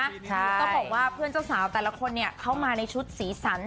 ต้องบอกว่าเพื่อนเจ้าสาวแต่ละคนเข้ามาในชุดสีสัน